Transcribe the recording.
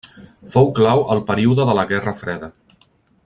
Fou clau al període de la Guerra freda.